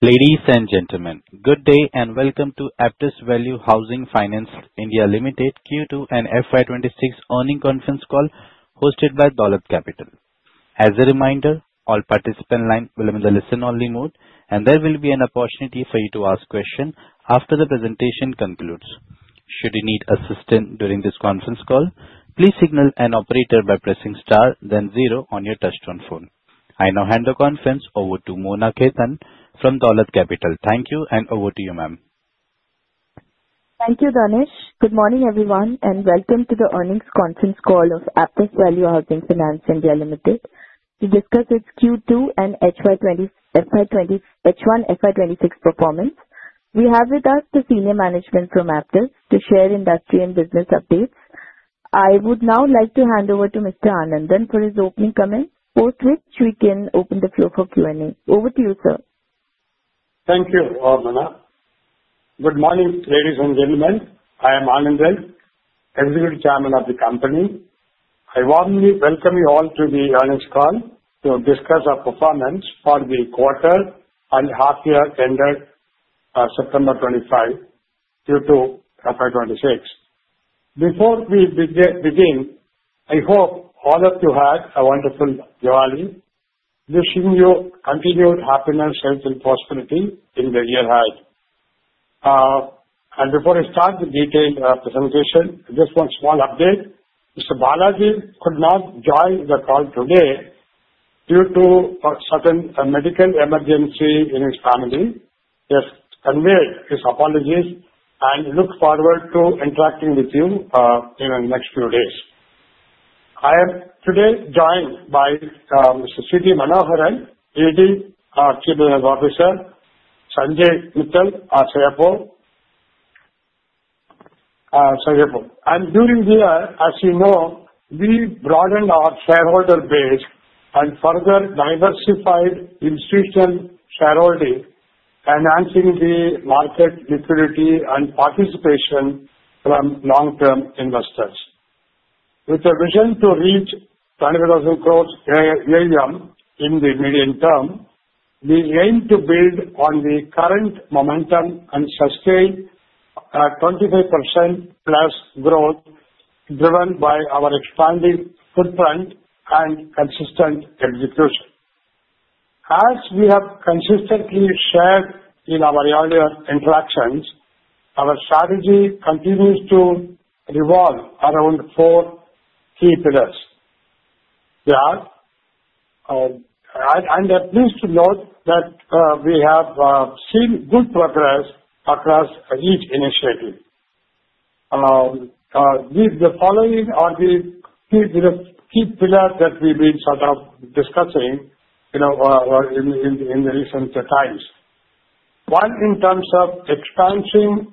Ladies and gentlemen, good day and welcome to Aptus Value Housing Finance India Limited Q2 and FY 2026 earning conference call hosted by Dolat Capital. As a reminder, all participants' lines will be in the listen-only mode, and there will be an opportunity for you to ask questions after the presentation concludes. Should you need assistance during this conference call, please signal an operator by pressing star, then zero on your touch-on phone. I now hand the conference over to Mona Khetan from Dolat Capital. Thank you, and over to you, ma'am. Thank you, Danish. Good morning, everyone, and welcome to the earnings conference call of Aptus Value Housing Finance India Limited to discuss its Q2 and FY 2026 performance. We have with us the senior management from Aptus to share industry and business updates. I would now like to hand over to Mr. Anandan for his opening comments, which we can open the floor for Q&A. Over to you, sir. Thank you, Mona. Good morning, ladies and gentlemen. I am Anandan, Executive Chairman of the company. I warmly welcome you all to the earnings call to discuss our performance for the quarter and half-year ended September 2025 Q2 FY 2026. Before we begin, I hope all of you had a wonderful Diwali, wishing you continued happiness and prosperity in the year ahead. Before I start the detailed presentation, just one small update. Mr. Balaji could not join the call today due to a sudden medical emergency in his family. He has conveyed his apologies and looks forward to interacting with you in the next few days. I am today joined by Mr. C T Manoharan, ED Chief Business Officer, Sanjay Mittal, our CFO and during the year, as you know, we broadened our shareholder base and further diversified institutional shareholding, enhancing the market liquidity and participation from long-term investors. With a vision to reach 25,000 crore in the medium term, we aim to build on the current momentum and sustain a 25%+ growth driven by our expanding footprint and consistent execution. As we have consistently shared in our earlier interactions, our strategy continues to revolve around four key pillars. I am pleased to note that we have seen good progress across each initiative. The following are the key pillars that we have been sort of discussing in recent times. One, in terms of expansion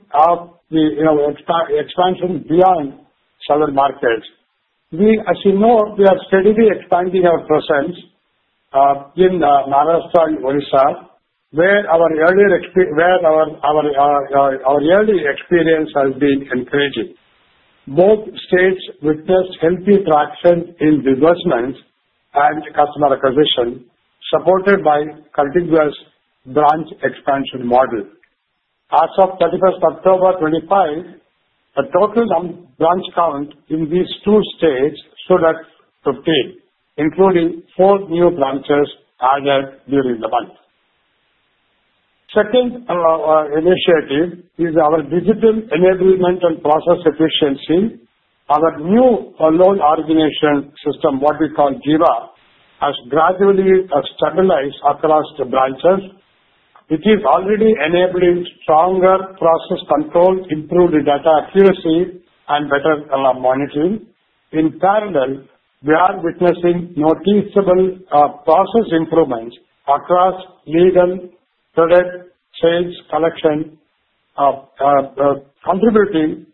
beyond several markets, as you know, we are steadily expanding our presence in Maharashtra and Odisha, where our early experience has been encouraging. Both states witnessed healthy traction in disbursements and customer acquisition, supported by a contiguous branch expansion model. As of 31st October 2025, the total branch count in these two states stood at 15, including four new branches added during the month. Second initiative is our digital enablement and process efficiency. Our new origination system, what we call crore, has gradually stabilized across the branches. It is already enabling stronger process control, improved data accuracy, and better monitoring. In parallel, we are witnessing noticeable process improvements across legal, credit, sales, collection, contributing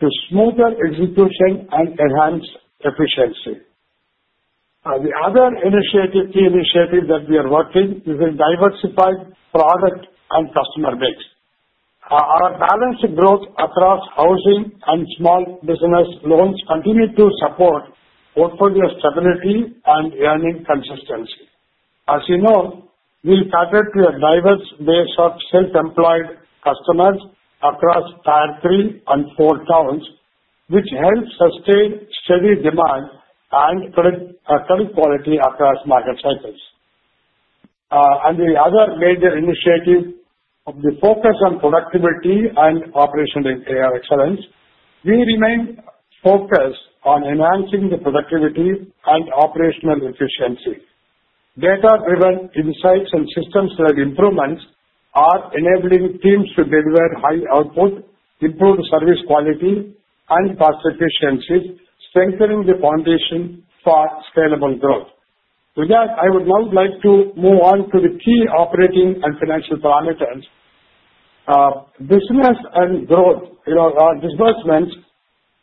to smoother execution and enhanced efficiency. The other key initiative that we are working is in diversified product and customer base. Our balanced growth across housing and small business loans continue to support portfolio stability and earning consistency. As you know, we've catered to a diverse base of self-employed customers across tier three and four towns, which helps sustain steady demand and credit quality across market cycles. The other major initiative of the focus on productivity and operational excellence, we remain focused on enhancing the productivity and operational efficiency. Data-driven insights and systems-led improvements are enabling teams to deliver high output, improve service quality, and cost efficiency, strengthening the foundation for scalable growth. With that, I would now like to move on to the key operating and financial parameters. Business and growth, our disbursements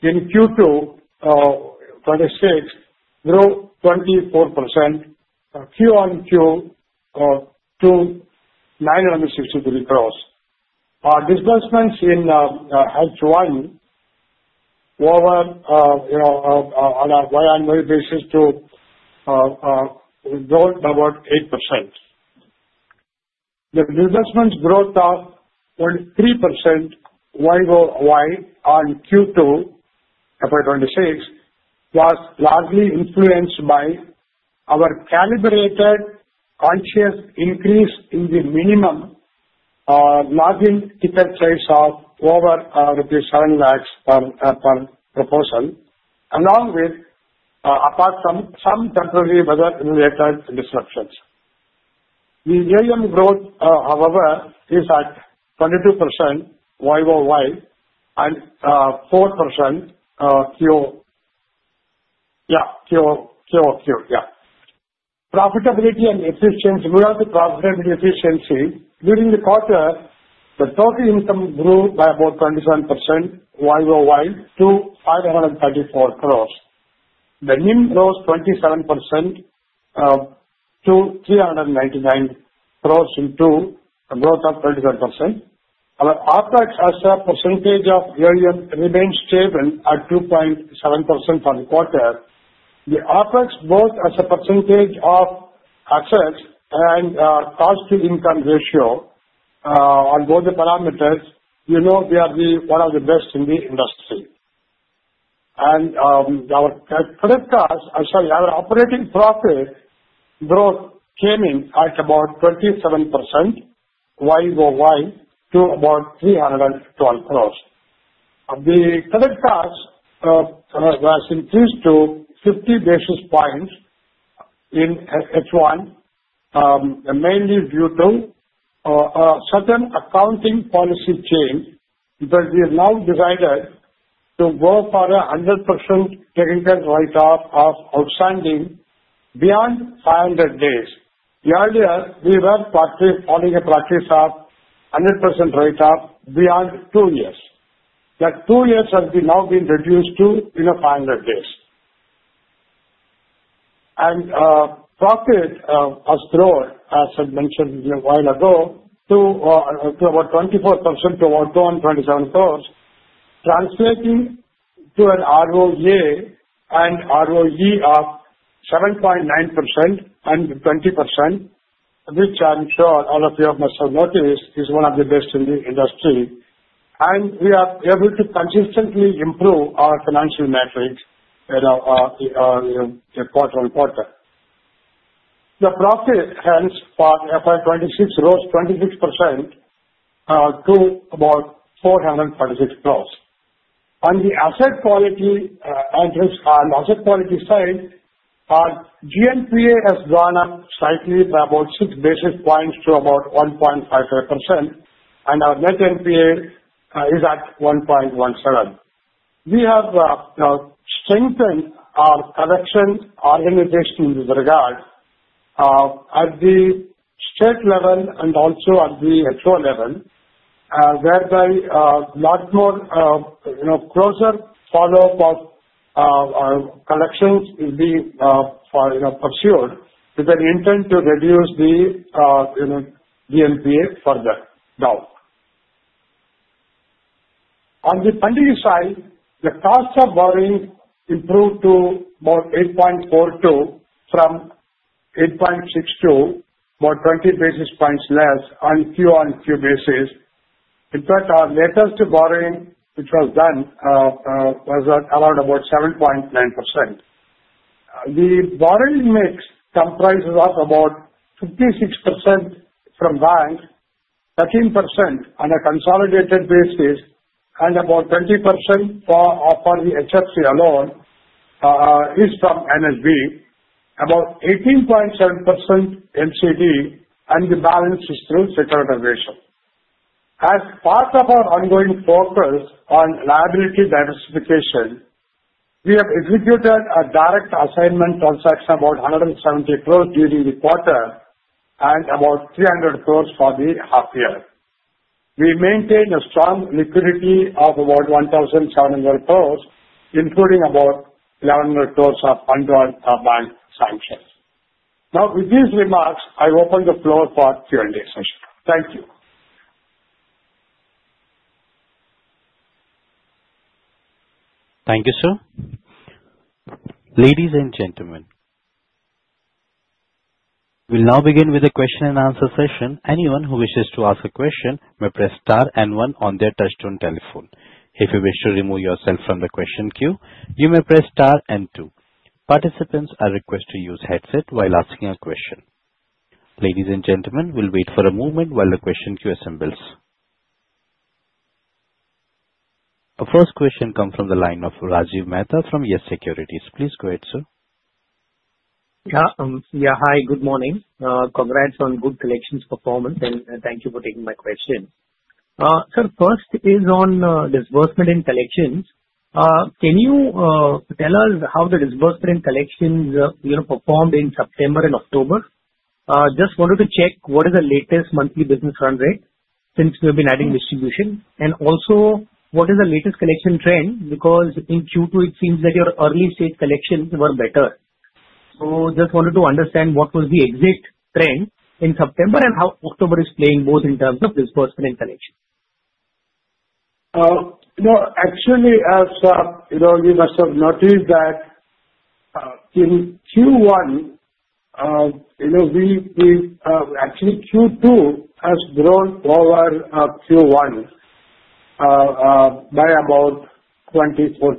in Q2 for the states grew 24% QoQ to INR 963 crore. Our disbursements in H1 over on a year-annual basis to grow about 8%. The disbursements growth of 0.3% YoY in Q2 2026 was largely influenced by our calibrated conscious increase in the minimum login ticket size of over rupees 700,000 per proposal, along with apart from some temporary weather-related disruptions. The year-on-year growth, however, is at 22% YoY and 4% QoQ. Profitability and efficiency, we have the profitability efficiency. During the quarter, the total income grew by about 27% YoY to 534 crore. The NIM rose 27% to 399 crore in Q2, a growth of 27%. Our OpEx as a percentage of year-on-year remained stable at 2.7% for the quarter. The OpEx, both as a percentage of assets and cost-to-income ratio on both the parameters, you know we are one of the best in the industry. Our credit cost, sorry, our operating profit growth came in at about 27% YoY to about 312 crore. The credit cost was increased to 50 basis points in H1, mainly due to a certain accounting policy change, but we have now decided to go for a 100% technical write-off of outstanding beyond 500 days. Earlier, we were following a practice of 100% write-off beyond two years. That two years has now been reduced to 500 days. Profit has grown, as I mentioned a while ago, to about 24% to 277 crore, translating to an ROA and ROE of 7.9% and 20%, which I'm sure all of you must have noticed is one of the best in the industry. We are able to consistently improve our financial metrics quarter-on-quarter. The profit hence for FY 2026 rose 26% to about 446 crore. On the asset quality and asset quality side, our GNPA has gone up slightly by about 6 basis points to about 1.55%, and our net NPA is at 1.17%. We have strengthened our collection organization in this regard at the state level and also at the HO level, whereby a lot more closer follow-up of collections will be pursued with an intent to reduce the GNPA further down. On the funding side, the cost of borrowing improved to about 8.42 from 8.62, about 20 basis points less on QoQ basis. In fact, our latest borrowing, which was done, was around about 7.9%. The borrowing mix comprises of about 56% from banks, 13% on a consolidated basis, and about 20% for the HFC alone is from NSB, about 18.7% MCD, and the balance is through securitization. As part of our ongoing focus on liability diversification, we have executed a direct assignment transaction of about 170 crore during the quarter and about 300 crore for the half-year. We maintain a strong liquidity of about 1,700 crore, including about 1,100 crore of underwrite bank sanctions. Now, with these remarks, I open the floor for Q&A session. Thank you. Thank you, sir. Ladies and gentlemen, we'll now begin with a question and answer session. Anyone who wishes to ask a question may press star and one on their touchstone telephone. If you wish to remove yourself from the question queue, you may press star and two. Participants are requested to use headsets while asking a question. Ladies and gentlemen, we'll wait for a moment while the question queue assembles. Our first question comes from the line of Rajiv Mehta from YES SECURITIES. Please go ahead, sir. Yeah, hi, good morning. Congrats on good collections performance, and thank you for taking my question. Sir, first is on disbursement and collections. Can you tell us how the disbursement and collections performed in September and October? Just wanted to check what is the latest monthly business run rate since we have been adding distribution, and also what is the latest collection trend, because in Q2, it seems that your early stage collections were better. Just wanted to understand what was the exit trend in September and how October is playing both in terms of disbursement and collection. No, actually, as you must have noticed that in Q1, we actually Q2 has grown over Q1 by about 24%.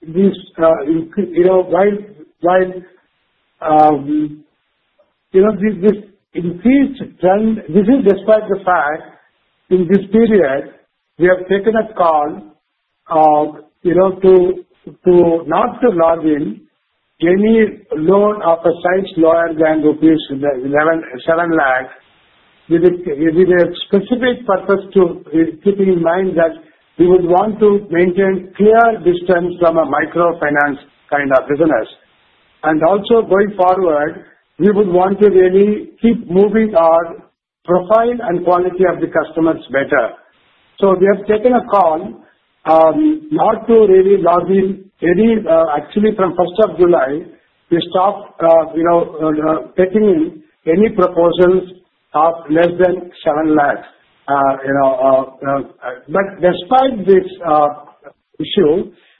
This increased trend, this is despite the fact in this period, we have taken a call to not to log in any loan of assigned lower than 7 lakh with a specific purpose to keep in mind that we would want to maintain clear distance from a microfinance kind of business. Also, going forward, we would want to really keep moving our profile and quality of the customers better. We have taken a call not to really log in any, actually from 1st of July, we stopped taking in any proposals of less than 7 lakh. Despite this issue,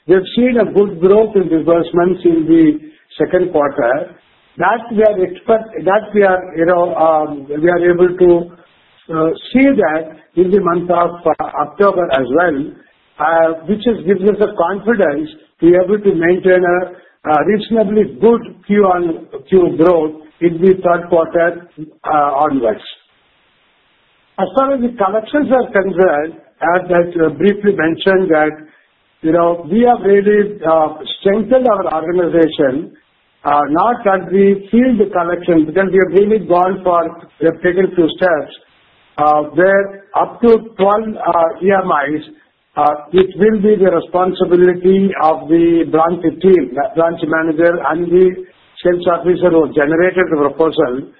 we have seen a good growth in disbursements in the second quarter. That we are able to see that in the month of October as well, which has given us the confidence to be able to maintain a reasonably good QoQ growth in the third quarter onwards. As far as the collections are concerned, as I briefly mentioned, that we have really strengthened our organization, not that we feel the collection, because we have really gone for the pick and choose steps, where up to 12 EMIs, which will be the responsibility of the branch team, branch manager, and the sales officer who generated the proposal,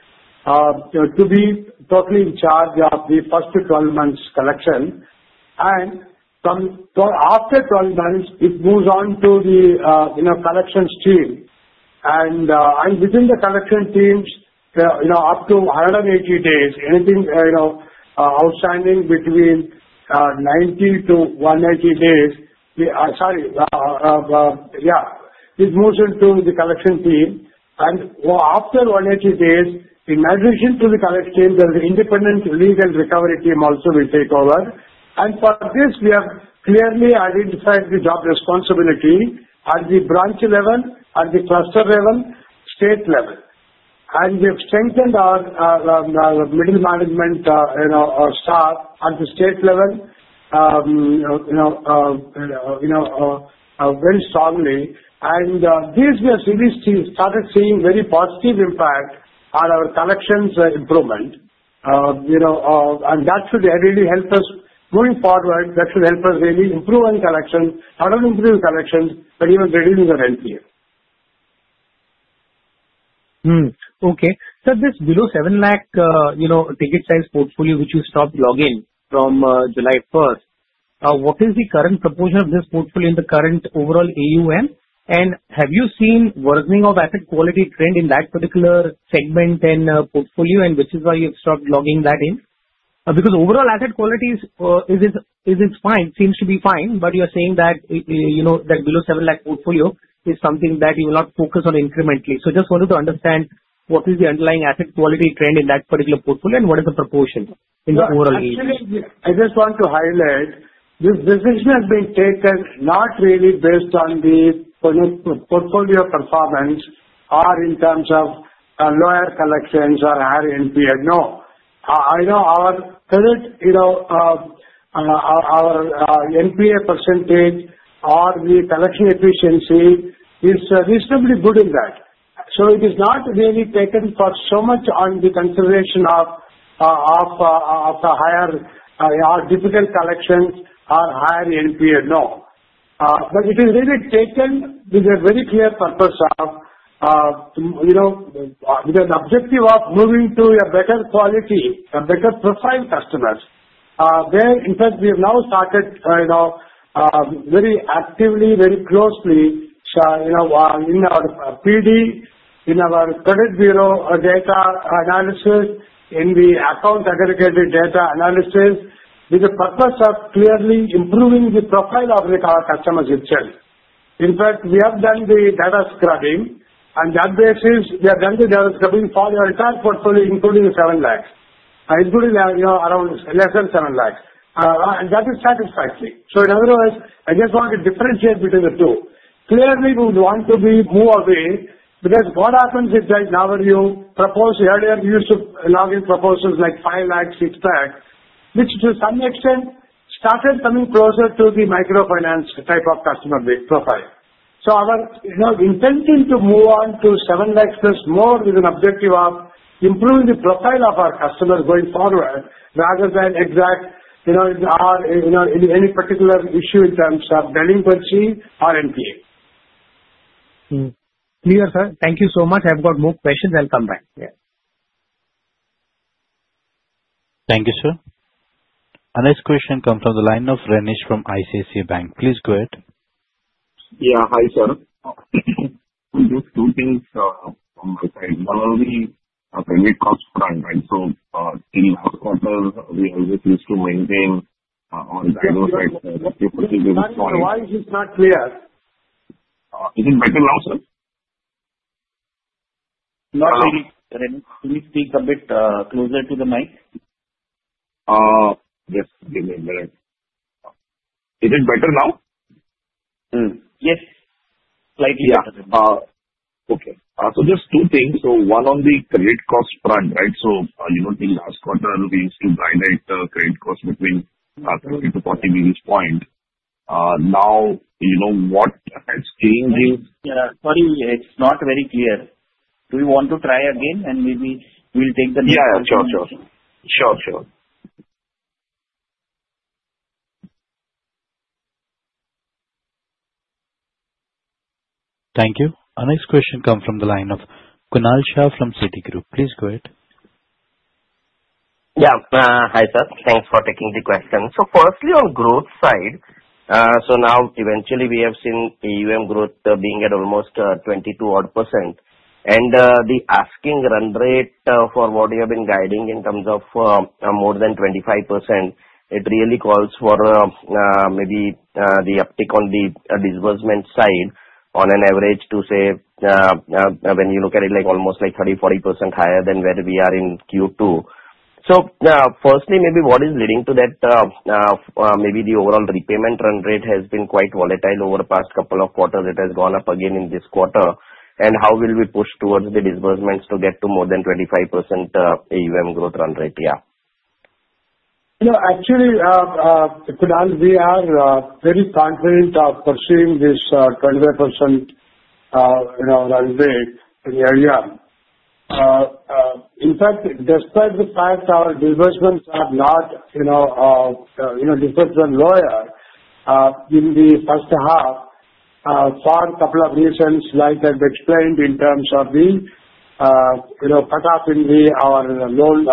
to be totally in charge of the first 12 months collection. After 12 months, it moves on to the collections team. Within the collection teams, up to 180 days, anything outstanding between 90 to 180 days, sorry, yeah, it moves into the collection team. After 180 days, in addition to the collection team, there is an independent legal recovery team also we take over. For this, we have clearly identified the job responsibility at the branch level, at the cluster level, state level. We have strengthened our middle management staff at the state level very strongly. These series started seeing very positive impact on our collections improvement. That should really help us moving forward, that should help us really improve on collections, not only improve collections, but even reduce our NPA. Okay. Sir, this below 7 lakh ticket size portfolio, which you stopped logging from July 1st, what is the current proportion of this portfolio in the current overall AUM? Have you seen worsening of asset quality trend in that particular segment and portfolio, and this is why you have stopped logging that in? Because overall asset quality is fine, seems to be fine, but you are saying that below 7 lakh portfolio is something that you will not focus on incrementally. Just wanted to understand what is the underlying asset quality trend in that particular portfolio and what is the proportion in the overall AUM? Actually, I just want to highlight this decision has been taken not really based on the portfolio performance or in terms of lower collections or higher NPA. No. I know our NPA percentage or the collection efficiency is reasonably good in that. It is not really taken for so much on the consideration of higher or difficult collections or higher NPA, no. It is really taken with a very clear purpose of, with an objective of moving to a better quality, a better profile customers. Where, in fact, we have now started very actively, very closely in our PD, in our credit bureau data analysis, in the account aggregated data analysis, with the purpose of clearly improving the profile of our customers itself. In fact, we have done the data scrubbing, and on that basis, we have done the data scrubbing for our entire portfolio, including 7 lakh, including around less than 7 lakh. That is satisfactory. In other words, I just want to differentiate between the two. Clearly, we would want to move away because what happens is that now when you propose earlier use of logging proposals like 5 lakh, 6 lakh which to some extent started coming closer to the microfinance type of customer profile. Our intention to move on to 7 lakh is more with an objective of improving the profile of our customers going forward rather than exact in any particular issue in terms of delinquency or NPA. Dear sir, thank you so much. I have got more questions. I'll come back. Yeah. Thank you, sir. A next question comes from the line of Renish from ICICI Bank. Please go ahead. Yeah, hi sir. I am just two things on my side. Not only payment cost front, right? In our quarter, we always used to maintain or diagnose the procedure. Why is this not clear? Is it better now, sir? Not really. Can you speak a bit closer to the mic? Yes, give me a minute. Is it better now? Yes. Slightly better. Okay. So just two things. One on the credit cost front, right? You know last quarter, we used to violate the credit cost between 30 to 40 basis point. Now what has changed is. Sorry, it's not very clear. Do you want to try again, and maybe we'll take the next question? Yeah, sure. Thank you. The next question comes from the line of Kunal Shah from Citigroup. Please go ahead. Yeah, hi sir. Thanks for taking the question. Firstly, on the growth side, now eventually we have seen AUM growth being at almost 22%. The asking run rate for what we have been guiding in terms of more than 25% really calls for maybe the uptick on the disbursement side on an average to say, when you look at it, almost like 30%-40% higher than where we are in Q2. Firstly, maybe what is leading to that, maybe the overall repayment run rate has been quite volatile over the past couple of quarters. It has gone up again in this quarter. How will we push towards the disbursements to get to more than 25% AUM growth run rate, yeah? Actually, Kunal, we are very confident of pursuing this 25% run rate in the AUM. In fact, despite the fact our disbursements are not disbursed lower in the first half for a couple of reasons, like I've explained in terms of the cut-off in our loan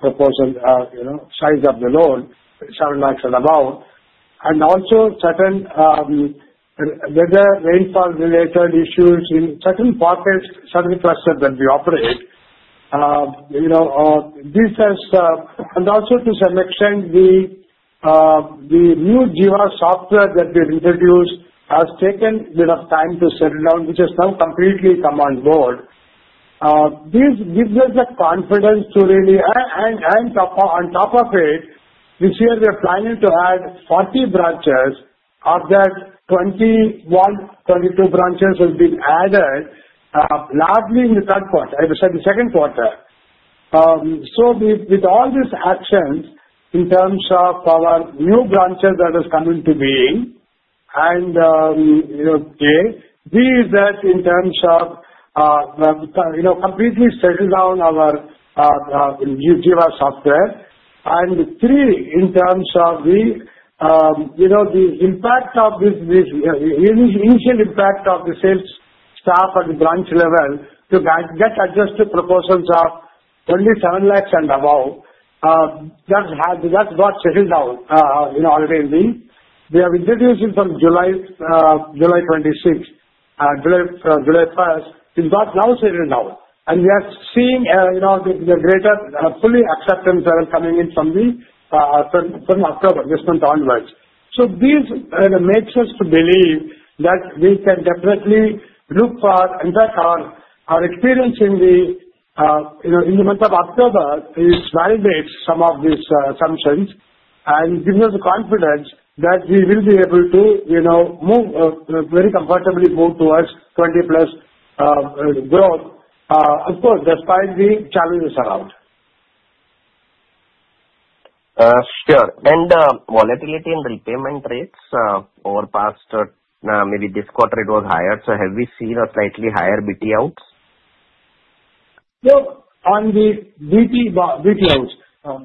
proposal, size of the loan, 7 lakh and above. Also, certain weather rainfall-related issues in certain quarters, certain clusters that we operate. Also, to some extent, the new Seva software that we've introduced has taken a bit of time to settle down, which has now completely come on board. This gives us the confidence to really, and on top of it, this year we are planning to add 40 branches, of that 21-22 branches have been added largely in the third quarter, I would say the second quarter. With all these actions in terms of our new branches that are coming into being, and B is that in terms of completely settling down our Seva software. And three, in terms of the impact of the initial impact of the sales staff at the branch level to get adjusted proportions of only 7 lakh and above, that got settled down already. We have introduced it from July 26, July 1st, it got now settled down. We are seeing the greater fully acceptance level coming in from October this month onwards. This makes us believe that we can definitely look for, in fact, our experience in the month of October validates some of these assumptions and gives us the confidence that we will be able to very comfortably move towards 20+ growth, of course, despite the challenges around. Sure. Volatility in the repayment rates over past, maybe this quarter it was higher, so have we seen a slightly higher BT out? No, on the BT out,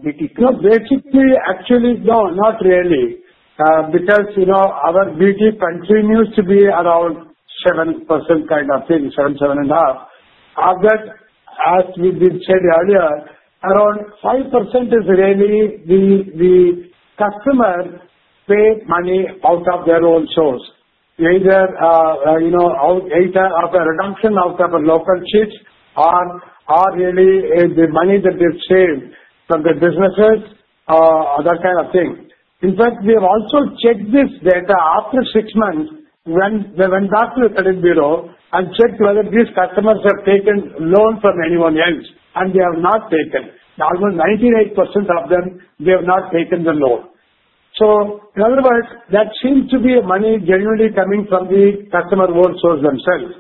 BT. Basically, actually, no, not really. Because our BT continues to be around 7% kind of thing, 7%-7.5%. As we said earlier, around 5% is really the customer paid money out of their own source, either out of a redemption out of a local cheat or really the money that they've saved from the businesses, that kind of thing. In fact, we have also checked this data after six months when we went back to the credit bureau and checked whether these customers have taken loan from anyone else, and they have not taken. Almost 98% of them, they have not taken the loan. In other words, that seems to be money genuinely coming from the customer own source themselves.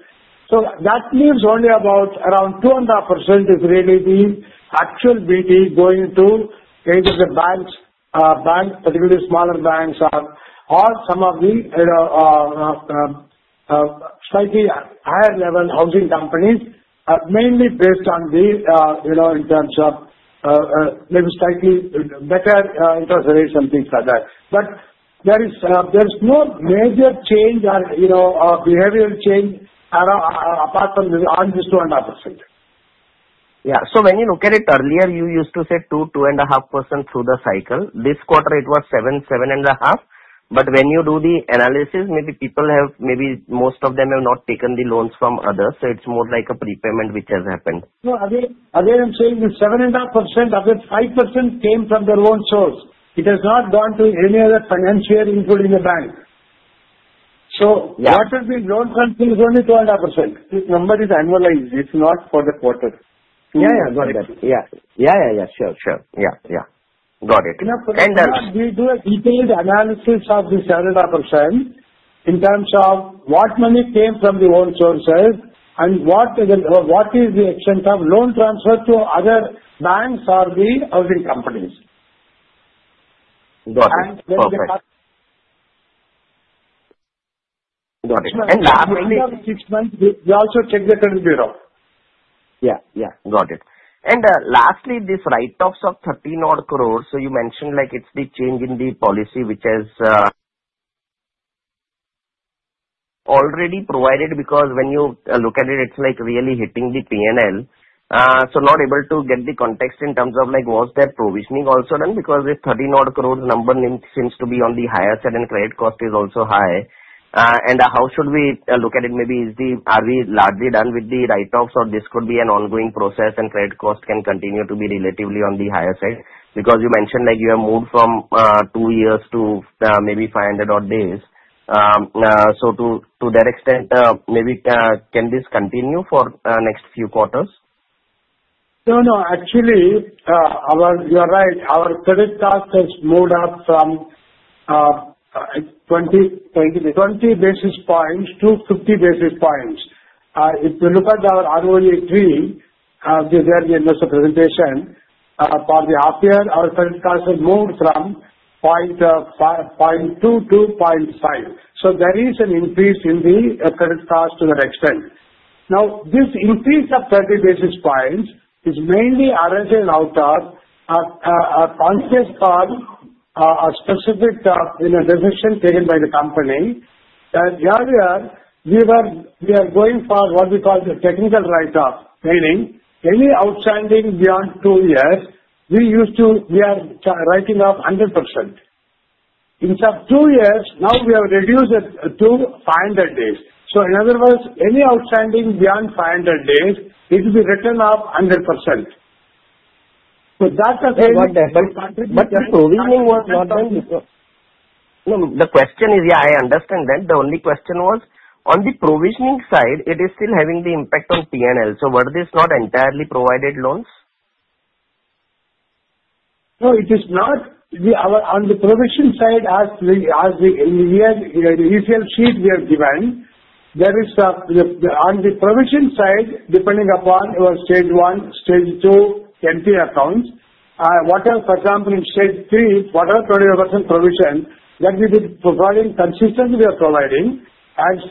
That means only about around 2.5% is really the actual BT going to either the banks, particularly smaller banks, or some of the slightly higher level housing companies, mainly based on the in terms of maybe slightly better interest rates and things like that. There is no major change or behavioral change apart from on this 2.5%. Yeah. So when you look at it earlier, you used to say 2%-2.5% through the cycle. This quarter, it was 7%-7.5%. When you do the analysis, maybe people have, maybe most of them have not taken the loans from others. It is more like a prepayment which has happened. No, again, I'm saying the 7.5% of the 5% came from their own source. It has not gone to any other financier, including the bank. So what has been loan transfer is only 2.5%. This number is annualized. It's not for the quarter. Yeah, got it. Yeah, sure. Got it. Enough for the quarter. We do a detailed analysis of this 7.5% in terms of what money came from the own sources and what is the extent of loan transfer to other banks or the housing companies. Got it. Lastly. After six months, we also check the credit bureau. Yeah, yeah, got it. Lastly, this write-off of 13 crore, you mentioned it is the change in the policy which has already provided because when you look at it, it is really hitting the P&L. Not able to get the context in terms of was there provisioning also done because this 13 crore number seems to be on the higher side and credit cost is also high. How should we look at it? Maybe are we largely done with the write-offs or this could be an ongoing process and credit cost can continue to be relatively on the higher side? You mentioned you have moved from two years to maybe 500 odd days. To that extent, maybe can this continue for the next few quarters? No, no. Actually, you are right. Our credit cost has moved up from 20 basis points to 50 basis points. If you look at our ROE 3, there was a presentation for the half year, our credit cost has moved from 0.2 to 0.5. There is an increase in the credit cost to that extent. Now, this increase of 30 basis points is mainly arising out of a concept called a specific decision taken by the company. Earlier, we are going for what we call the technical write-off, meaning any outstanding beyond two years, we are writing off 100%. Instead of two years, now we have reduced it to 500 days. In other words, any outstanding beyond 500 days, it will be written off 100%. That has been contributing to. The provisioning was not done. The question is, yeah, I understand that. The only question was, on the provisioning side, it is still having the impact on P&L. So were these not entirely provided loans? No, it is not. On the provisioning side, as the initial sheet we have given, there is on the provisioning side, depending upon stage one, stage two, NP accounts, whatever, for example, in stage three, whatever 20% provision that we've been providing consistently, we are providing.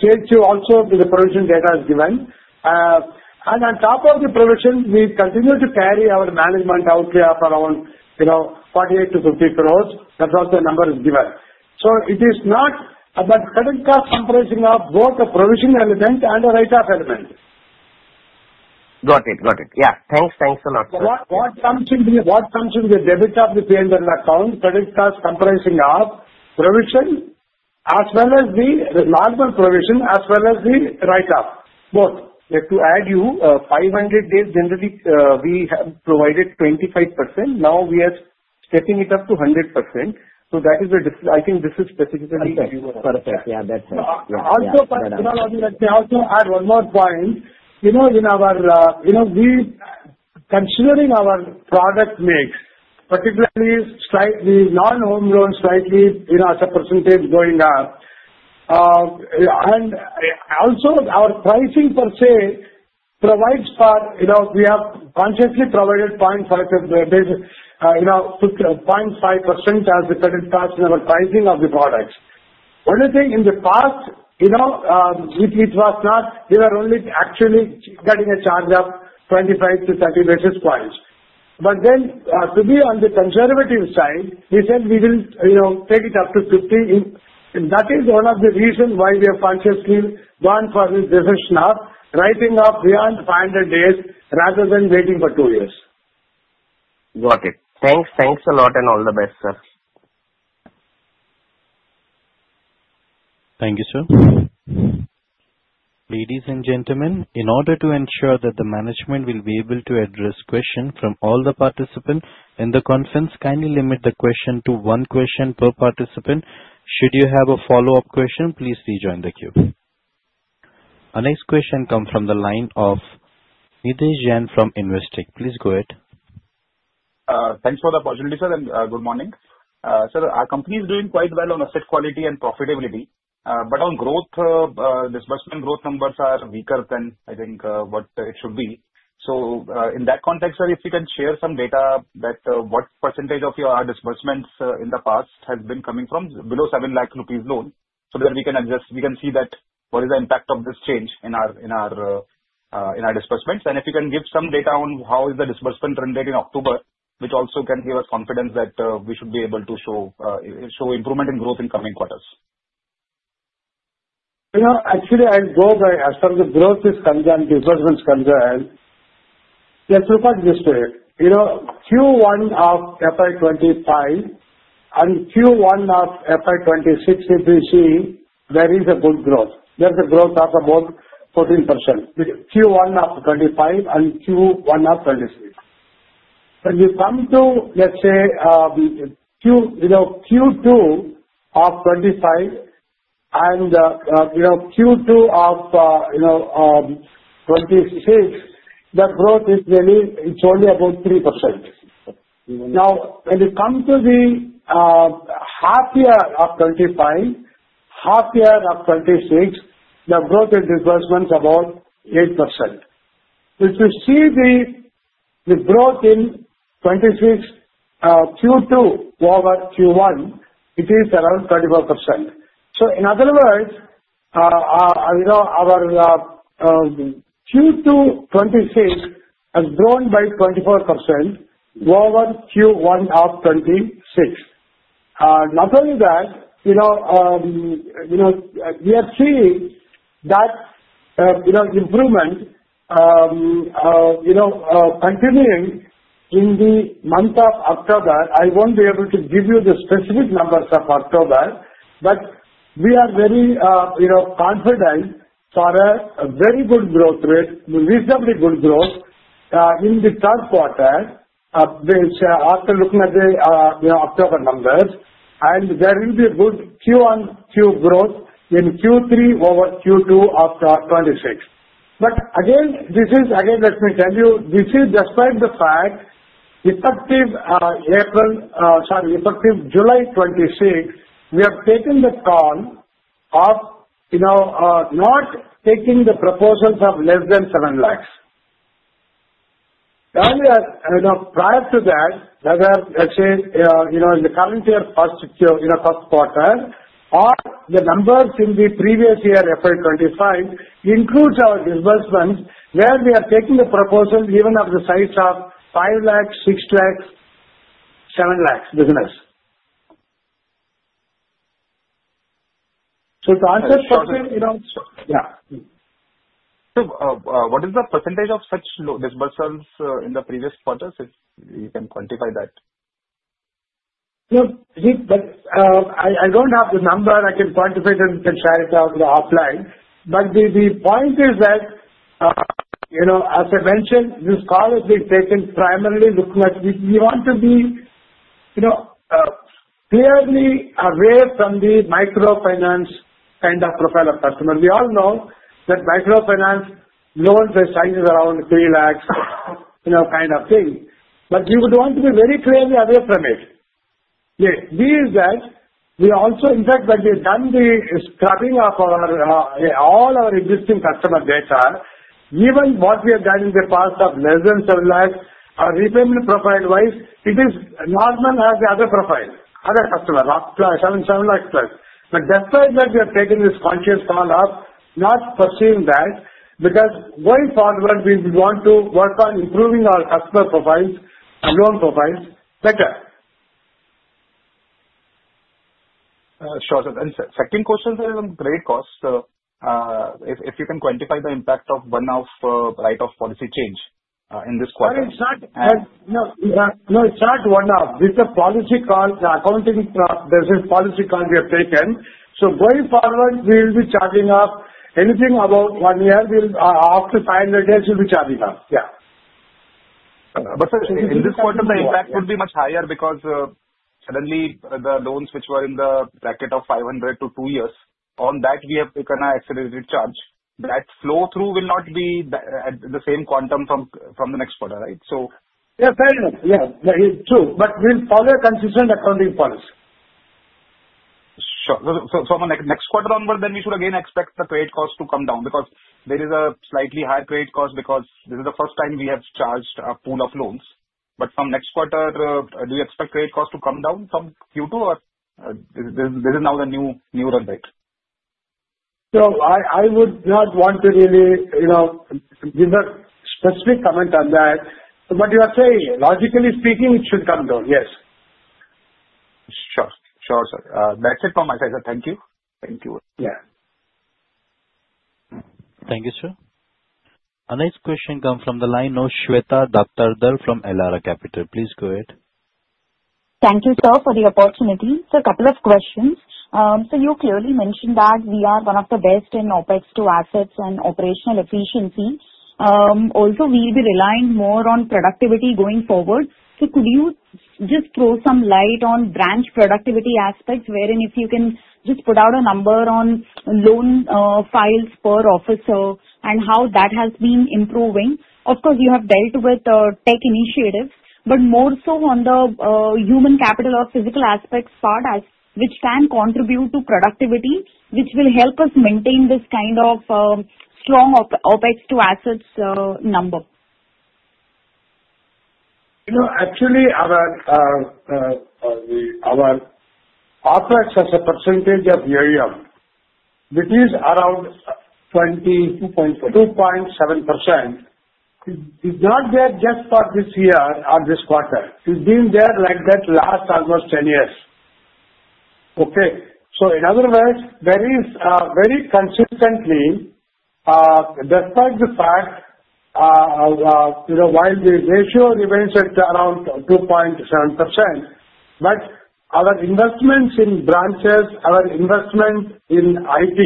Stage two, also the provisioning data is given. On top of the provision, we continue to carry our management out here for around 48 crore-50 crore. That's what the number is given. It is not about credit cost comprising of both a provisioning element and a write-off element. Got it, got it. Yeah. Thanks, thanks a lot. What comes in the debit of the P&L account, credit cost comprising of provision, as well as the normal provision, as well as the write-off, both. To add you, 500 days, generally, we have provided 25%. Now we are stepping it up to 100%. I think this is specifically the view of us. Perfect. Yeah, that's it. Also, Kunal, let me also add one more point. In our, considering our product mix, particularly slightly non-home loans, slightly as a percentage going up. Also, our pricing per se provides for, we have consciously provided 0.5% as the credit cost in our pricing of the products. One thing, in the past, it was not, we were only actually getting a charge of 25 to 30 basis points. Then, to be on the conservative side, we said we will take it up to 50. That is one of the reasons why we have consciously gone for this decision of writing off beyond 500 days rather than waiting for two years. Got it. Thanks, thanks a lot, and all the best, sir. Thank you, sir. Ladies and gentlemen, in order to ensure that the management will be able to address questions from all the participants in the conference, kindly limit the question to one question per participant. Should you have a follow-up question, please rejoin the queue. A next question comes from the line of Nidhesh Jain from Investec. Please go ahead. Thanks for the opportunity, sir, and good morning. Sir, our company is doing quite well on asset quality and profitability. On growth, disbursement growth numbers are weaker than, I think, what it should be. In that context, sir, if you can share some data that what percentage of your disbursements in the past has been coming from below 7 lakh rupees loan, so that we can adjust, we can see what is the impact of this change in our disbursements. If you can give some data on how is the disbursement run rate in October, which also can give us confidence that we should be able to show improvement in growth in coming quarters. Actually, I'll go by, as far as the growth is concerned, disbursements concerned, let me put it this way. Q1 of FY 2025 and Q1 of FY 2026, if we see, there is a good growth. There's a growth of about 14%. Q1 of 2025 and Q1 of 2026. When we come to, let's say, Q2 of 2025 and Q2 of 2026, the growth is really, it's only about 3%. Now, when we come to the half year of 2025, half year of 2026, the growth in disbursements is about 8%. If you see the growth in 2026 Q2 over Q1, it is around 24%. In other words, our Q2 2026 has grown by 24% over Q1 of 2026. Not only that, we are seeing that improvement continuing in the month of October. I won't be able to give you the specific numbers of October, but we are very confident for a very good growth rate, reasonably good growth in the third quarter, after looking at the October numbers. There will be a good QoQ growth in Q3 over Q2 of 2026. Again, let me tell you, this is despite the fact, effective July 2026, we have taken the call of not taking the proposals of less than 7 lakh. Prior to that, whether, let's say, in the current year first quarter or the numbers in the previous year FY 2025, it includes our disbursements where we are taking the proposal even of the size of 50 lakh, 6 lakh, 7 lakh business. To answer your question, yeah. What is the percentage of such disbursals in the previous quarters if you can quantify that? No, I don't have the number. I can quantify it and share it out offline. The point is that, as I mentioned, this call has been taken primarily looking at, we want to be clearly away from the microfinance kind of profile of customers. We all know that microfinance loans are sizes around 3 lakh kind of thing. We would want to be very clearly away from it. When we've done the scrubbing of all our existing customer data, even what we have done in the past of less than 7 lakh, our repayment profile-wise, it is normal as the other profile, other customers, 7+ lakh. Despite that, we have taken this conscious call of not pursuing that because going forward, we want to work on improving our customer profiles, loan profiles better. Sure. Second question is on the credit cost. If you can quantify the impact of one-off write-off policy change in this quarter. No, it's not one-off. This is a policy call, accounting business policy call we have taken. Going forward, we will be charging off anything about one year. After 500 days, we'll be charging off. Yeah. In this quarter, the impact would be much higher because suddenly the loans which were in the bracket of 500 to two years, on that, we have taken an accidental charge. That flow through will not be the same quantum from the next quarter, right? So. Yeah, fair enough. Yeah, true. We'll follow a consistent accounting policy. Sure. From next quarter onward, then we should again expect the credit cost to come down because there is a slightly higher credit cost because this is the first time we have charged a pool of loans. From next quarter, do you expect credit cost to come down from Q2 or is this now the new run rate? I would not want to really give a specific comment on that. But you are saying, logically speaking, it should come down, yes. Sure, sure, sir. That's it from my side. Thank you. Thank you. Thank you, sir. A next question comes from the line of Shweta Daptardar from Elara Capital. Please go ahead. Thank you, sir, for the opportunity. A couple of questions. You clearly mentioned that we are one of the best in OpEx to assets and operational efficiency. Also, we'll be relying more on productivity going forward. Could you just throw some light on branch productivity aspects, wherein if you can just put out a number on loan files per officer and how that has been improving? Of course, you have dealt with tech initiatives, but more so on the human capital or physical aspects part, which can contribute to productivity, which will help us maintain this kind of strong OpEx to assets number. Actually, our OpEx as a percentage of year yield, which is around 2.7%, is not there just for this year or this quarter. It's been there like that last almost 10 years. Okay? In other words, there is very consistently, despite the fact, while the ratio remains at around 2.7%, our investments in branches, our investment in IT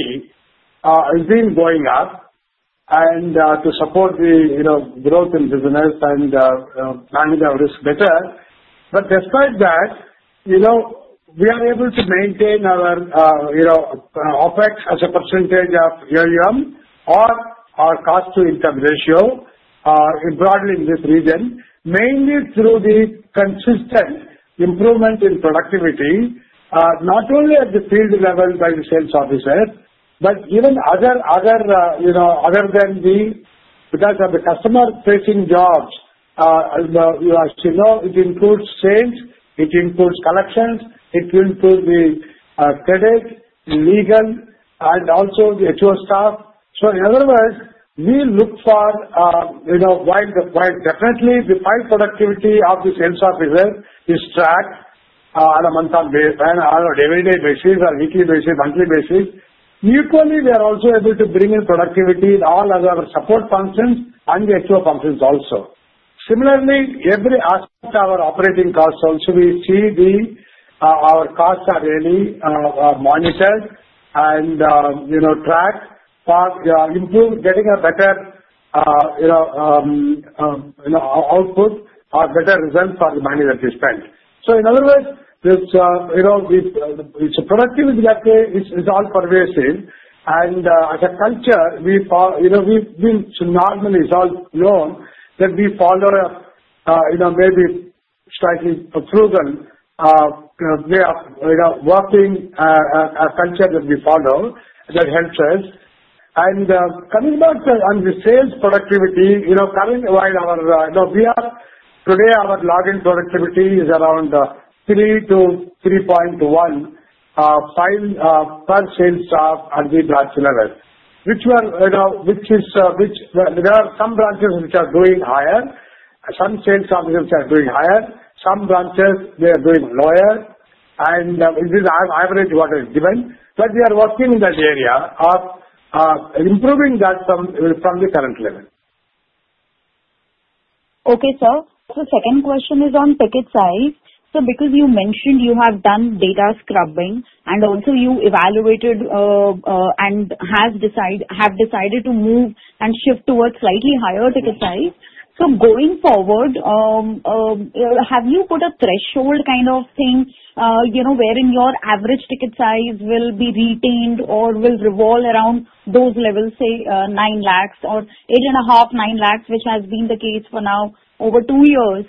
has been going up to support the growth in business and manage our risk better. Despite that, we are able to maintain our OpEx as a percentage of year yield or our cost-to-income ratio broadly in this region, mainly through the consistent improvement in productivity, not only at the field level by the sales officers, but even other than the. Because of the customer-facing jobs, as you know, it includes sales, it includes collections, it includes the credit, legal, and also the HO staff. In other words, we look for while definitely the file productivity of the sales officers is tracked on a monthly basis, on an everyday basis, or weekly basis, monthly basis. Equally, we are also able to bring in productivity in all of our support functions and the HO functions also. Similarly, every aspect of our operating costs, also we see our costs are really monitored and tracked for improving, getting a better output or better results for the money that we spend. In other words, it's a productivity that is all pervasive. As a culture, we've been normally is all known that we follow a maybe slightly frugal way of working, a culture that we follow that helps us. Coming back on the sales productivity, currently while today, our login productivity is around 3 to 3.1 file per sales staff at the branch level, which is there are some branches which are doing higher, some sales officers are doing higher, some branches they are doing lower, and it is average what is given. We are working in that area of improving that from the current level. Okay, sir. Second question is on ticket size. Because you mentioned you have done data scrubbing and also you evaluated and have decided to move and shift towards slightly higher ticket size. Going forward, have you put a threshold kind of thing wherein your average ticket size will be retained or will revolve around those levels, say, 9 lakh or 8.5 lakh-9 lakh, which has been the case for now over two years?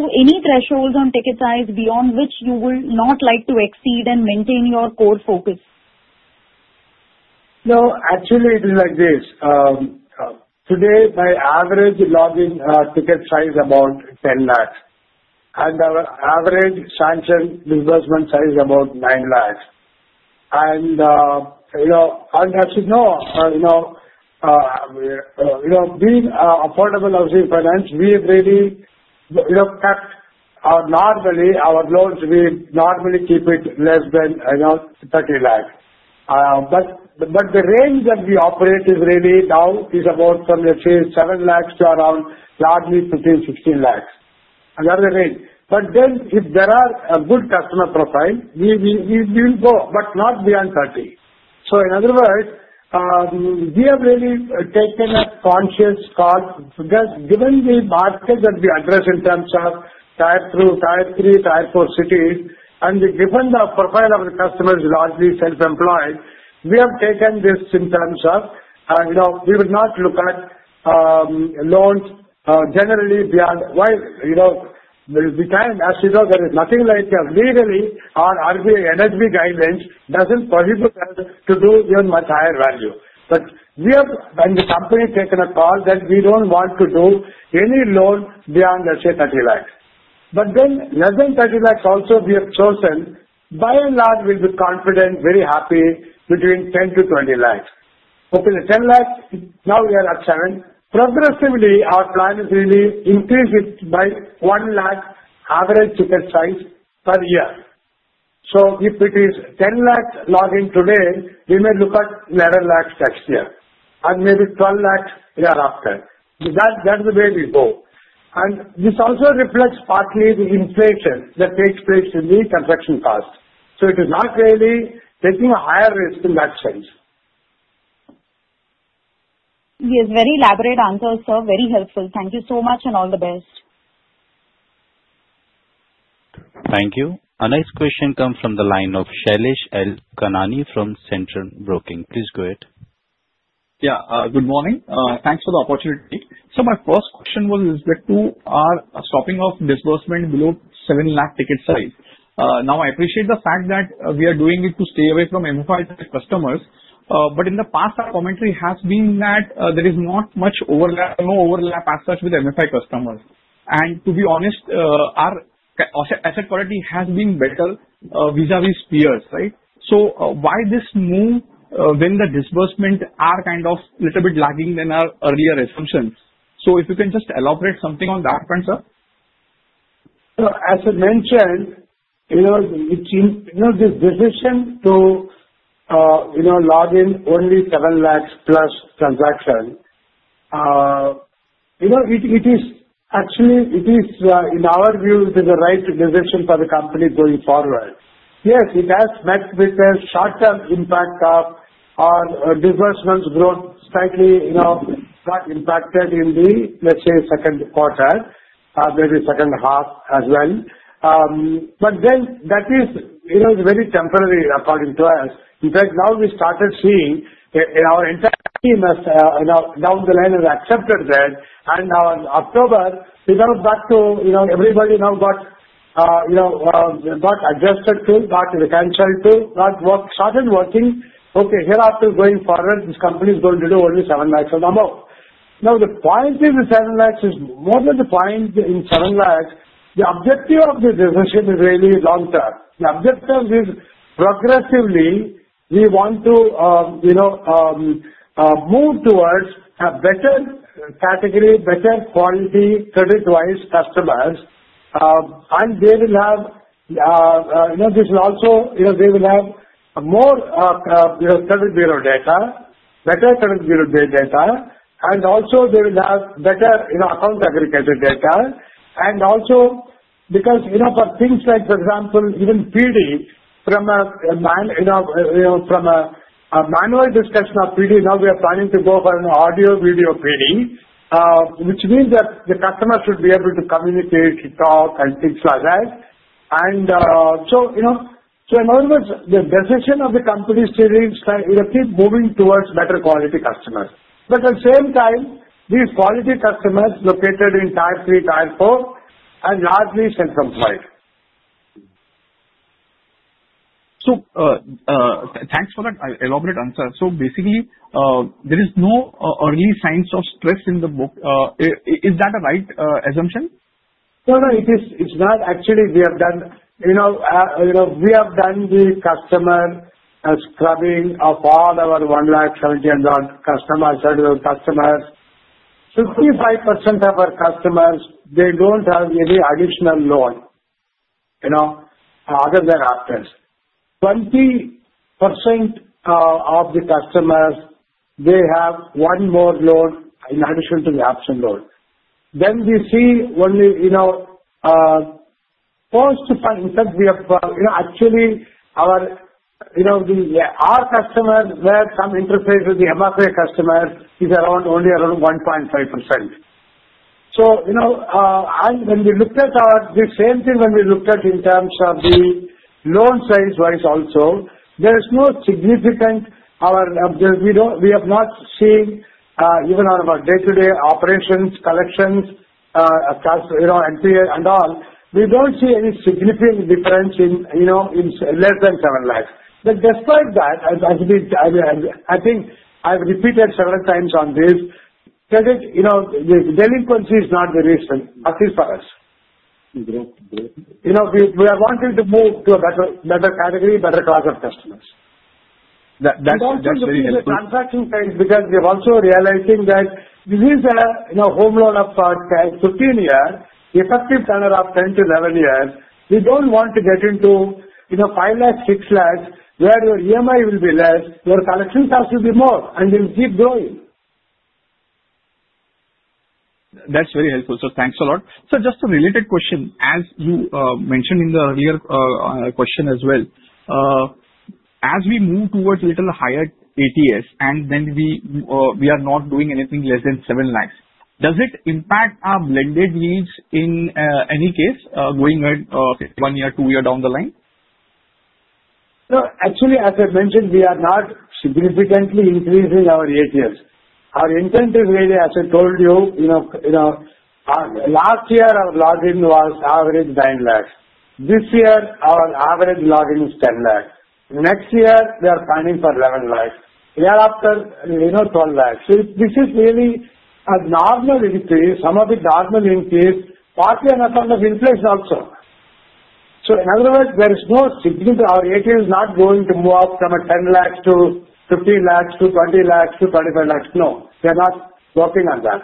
Any thresholds on ticket size beyond which you would not like to exceed and maintain your core focus? No, actually, it is like this. Today, my average login ticket size is about 10 lakh. And our average sanctioned disbursement size is about 9 lakh. And as you know, being affordable housing finance, we have really kept our normally, our loans, we normally keep it less than 30 lakh. The range that we operate is really now is about from, let's say, 7 lakh to around largely 15 lakh-16 lakh. Another range. If there are good customer profiles, we will go, but not beyond 30 lakh. In other words, we have really taken a conscious call because given the market that we address in terms of tier 2, tier 3, tier 4 cities, and given the profile of the customers who are largely self-employed, we have taken this in terms of we will not look at loans generally beyond why we can. As you know, there is nothing like legally our NSB guidelines does not prohibit us to do even much higher value. We have, and the company has taken a call that we do not want to do any loan beyond, let us say, 30 lakh. Less than 30 lakh also, we have chosen by and large, we will be confident, very happy between 10 lakh-20 lakh. Okay, the 10 lakh, now we are at 7 lakh. Progressively, our plan is really increase it by 1 lakh average ticket size per year. If it is 10 lakh login today, we may look at 11 lakh next year and maybe 12 lakh thereafter. That is the way we go. This also reflects partly the inflation that takes place in the construction cost. It is not really taking a higher risk in that sense. Yes, very elaborate answers, sir. Very helpful. Thank you so much and all the best. Thank you. A next question comes from the line of Shailesh L. Kanani from Centrum Broking. Please go ahead. Yeah, good morning. Thanks for the opportunity. My first question was with respect to our stopping of disbursement below 7 lakh ticket size. I appreciate the fact that we are doing it to stay away from MFI customers. In the past, our commentary has been that there is not much overlap, no overlap as such with MFI customers. To be honest, our asset quality has been better vis-à-vis peers, right? Why this move when the disbursements are kind of a little bit lagging than our earlier assumptions? If you can just elaborate something on that point, sir. As I mentioned, the decision to log in only 7+ lakh transaction, it is actually, in our view, it is the right decision for the company going forward. Yes, it has met with a short-term impact of our disbursements growth slightly not impacted in the, let's say, second quarter, maybe second half as well. That is very temporary according to us. In fact, now we started seeing our entire team has down the line has accepted that. Now in October, we got back to everybody now got adjusted to, got recanceled to, got started working. Okay, hereafter going forward, this company is going to do only 7 lakh or no more. Now, the point is the 7 lakh is more than the point in 7 lakh. The objective of the decision is really long-term. The objective is progressively we want to move towards a better category, better quality credit-wise customers. They will have, this is also, they will have more credit bureau data, better credit bureau data, and also they will have better account aggregated data. Also, because for things like, for example, even PD, from a manual discussion of PD, now we are planning to go for an audio-video PD, which means that the customer should be able to communicate, talk, and things like that. In other words, the decision of the company is to keep moving towards better quality customers. At the same time, these quality customers are located in tier 3, tier 4, and largely self-employed. Thanks for that elaborate answer. Basically, there is no early signs of stress in the book. Is that a right assumption? No, no, it is not. Actually, we have done the customer scrubbing of all our 1 lakh-70 lakh and above customers. 55% of our customers, they do not have any additional loan other than Aptus. 20% of the customers, they have one more loan in addition to the Aptus loan. We see only close to 5%. In fact, our customers where some interface with the MFI customers is only around 1.5%. When we looked at the same thing in terms of the loan size-wise also, there is no significant difference. We have not seen, even on our day-to-day operations, collections, and all, we do not see any significant difference in less than 7 lakh. Despite that, as I think I have repeated several times on this, credit delinquency is not the reason, at least for us. We are wanting to move to a better category, better class of customers. That's interesting. Also the transaction size because we are also realizing that this is a home loan of 15 years, effective tenor of 10-11 years. We do not want to get into 5 lakh-6 lakh where your EMI will be less, your collections have to be more, and they will keep growing. That's very helpful. Thanks a lot. Just a related question, as you mentioned in the earlier question as well, as we move towards a little higher ATS and we are not doing anything less than 7 lakh, does it impact our blended needs in any case going ahead one year, two years down the line? Actually, as I mentioned, we are not significantly increasing our ATS. Our intent is really, as I told you, last year our login was average 9 lakh. This year, our average login is 10 lakh. Next year, we are planning for 11 lakh. Thereafter, 12 lakh. This is really a normal increase, some of it normal increase, partly on account of inflation also. In other words, there is no significant, our ATS is not going to move up from 10 lakh to 15 lakh to 20 lakh to 25 lakh No, we are not working on that.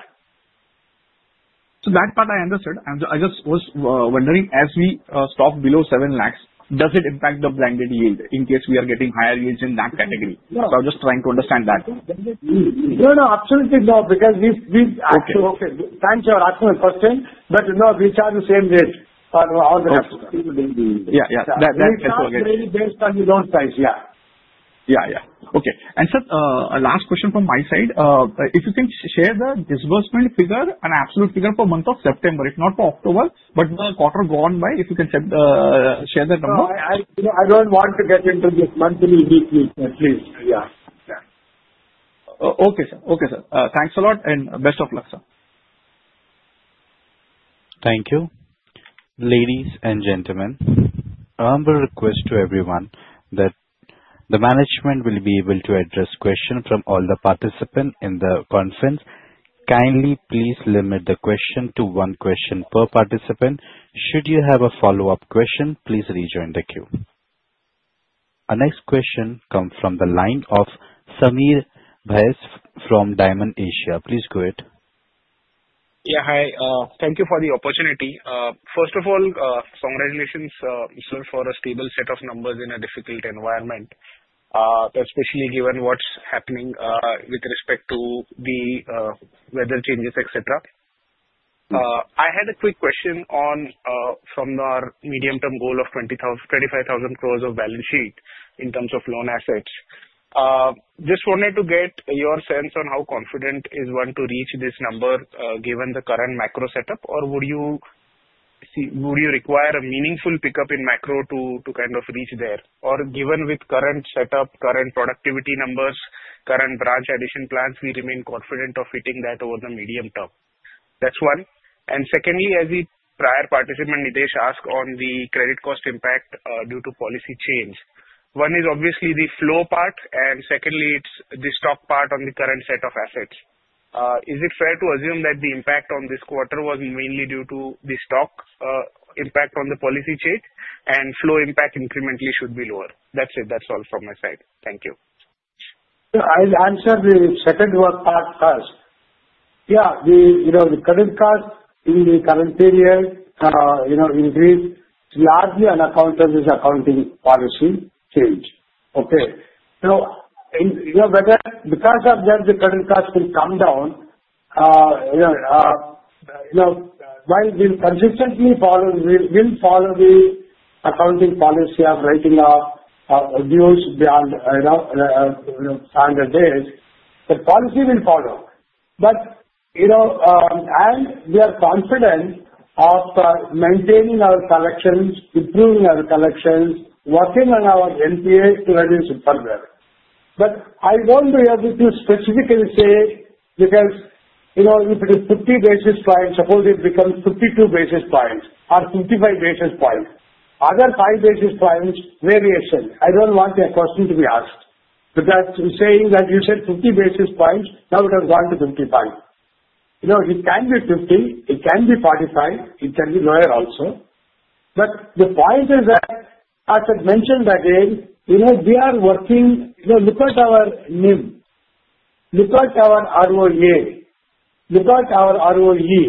That part I understood. I just was wondering, as we stop below 7 lakh does it impact the blended yield in case we are getting higher yields in that category? I'm just trying to understand that. No, no, absolutely no because we've actually, okay, thanks for your answer the first time. No, we charge the same rate on all the customers. Yeah, yeah. That's okay. We charge really based on the loan size, yeah. Yeah, yeah. Okay. Sir, last question from my side. If you can share the disbursement figure, an absolute figure for the month of September, if not for October, but the quarter gone by, if you can share the number. I don't want to get into this monthly weekly, please. Yeah. Okay, sir. Thanks a lot and best of luck, sir. Thank you. Ladies and gentlemen, a humble request to everyone that the management will be able to address questions from all the participants in the conference. Kindly please limit the question to one question per participant. Should you have a follow-up question, please rejoin the queue. A next question comes from the line of Sameer Bhise from Dymon Asia. Please go ahead. Yeah, hi. Thank you for the opportunity. First of all, congratulations for a stable set of numbers in a difficult environment, especially given what's happening with respect to the weather changes, etc. I had a quick question from our medium-term goal of 25,000 crore of balance sheet in terms of loan assets. Just wanted to get your sense on how confident is one to reach this number given the current macro setup, or would you require a meaningful pickup in macro to kind of reach there? Or given with current setup, current productivity numbers, current branch addition plans, we remain confident of hitting that over the medium term. That's one. Secondly, as the prior participant Nidhesh asked on the credit cost impact due to policy change, one is obviously the flow part, and secondly, it's the stock part on the current set of assets. Is it fair to assume that the impact on this quarter was mainly due to the stock impact on the policy change and flow impact incrementally should be lower? That's it. That's all from my side. Thank you. I'll answer the second part first. Yeah, the current cost in the current period increased largely on account of this accounting policy change. Okay. So because of that, the current cost will come down. While we will consistently follow the accounting policy of writing off dues beyond 500 days, the policy will follow. We are confident of maintaining our collections, improving our collections, working on our NPA to reduce it further. I won't be able to specifically say because if it is 50 basis points, suppose it becomes 52 basis points or 55 basis points, another 5 basis points variation. I don't want the question to be asked. Saying that you said 50 basis points, now it has gone to 55. It can be 50, it can be 45, it can be lower also. The point is that, as I mentioned again, we are working. Look at our NIM, look at our ROA, look at our ROE.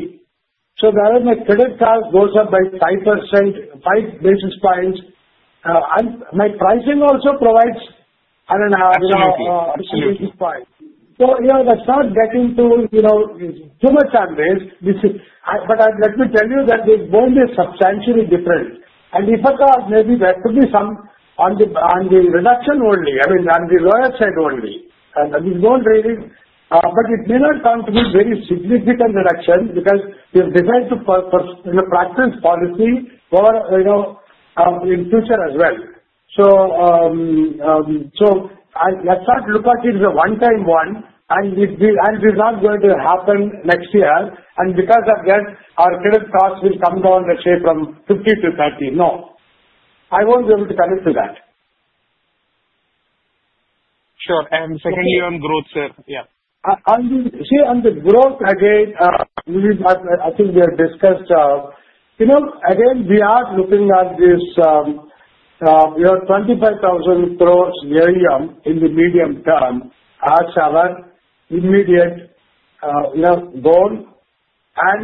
My credit cost goes up by 5 basis points. My pricing also provides an additional basis point. That is not getting too much unreal. Let me tell you that there is more than substantially different. If at all, maybe there could be some on the reduction only, I mean, on the lower side only. It is more really. It may not come to be very significant reduction because we have decided to practice policy for in future as well. Let's not look at it as a one-time one, and it is not going to happen next year. Because of that, our credit cost will come down, let's say, from 50 to 30. No. I won't be able to commit to that. Sure. And secondly on growth, sir. Yeah. See, on the growth, again, I think we have discussed. Again, we are looking at this 25,000 crore year-on-year in the medium term as our immediate goal.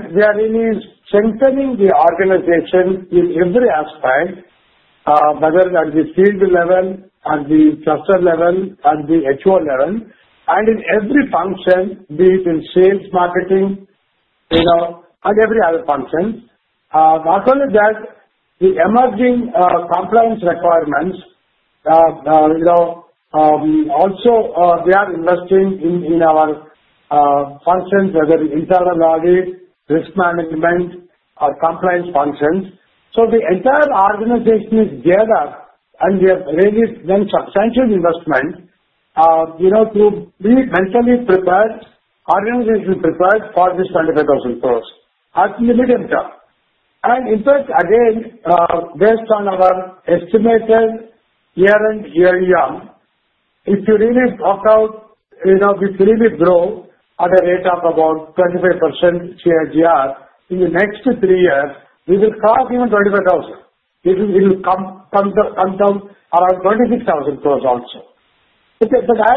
We are really strengthening the organization in every aspect, whether at the field level, at the cluster level, at the HO level, and in every function, be it in sales, marketing, and every other function. Not only that, the emerging compliance requirements, also we are investing in our functions, whether internal audit, risk management, or compliance functions. The entire organization is gathered, and we have made substantial investment to be mentally prepared, organizationally prepared for this INR 25,000 crore at the immediate term. In fact, again, based on our estimated year-end, year-year, if you really block out, if you really grow at a rate of about 25% CAGR in the next three years, we will cross even 25,000 crore. It will come down around 26,000 crore also. I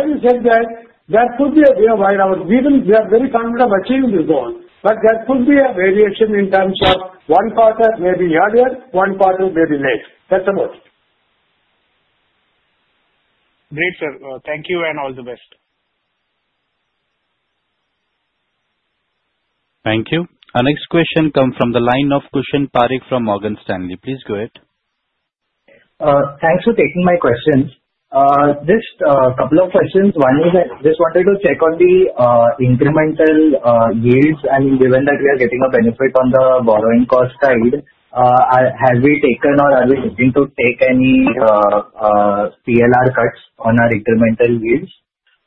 always said that there could be a way where we are very confident of achieving this goal, but there could be a variation in terms of one quarter maybe earlier, one quarter maybe later. That is about it. Great, sir. Thank you and all the best. Thank you. A next question comes from the line of Kushan Parikh from Morgan Stanley. Please go ahead. Thanks for taking my question. Just a couple of questions. One is I just wanted to check on the incremental yields. I mean, given that we are getting a benefit on the borrowing cost side, have we taken or are we looking to take any PLR cuts on our incremental yields?